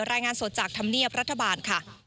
รายงานสดจากธรรมเนียบรัฐบาลค่ะ